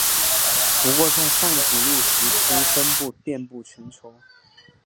不过在泛古陆时其分布遍布全球。